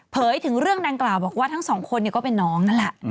ถึงเรื่องดังกล่าวบอกว่าทั้งสองคนก็เป็นน้องนั่นแหละ